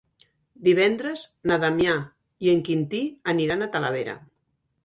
Divendres na Damià i en Quintí aniran a Talavera.